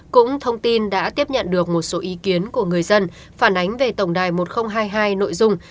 cũng thông tin đã tiếp nhận được một số ý kiến của người dân phản ánh về tổng đài một nghìn hai mươi hai nội dung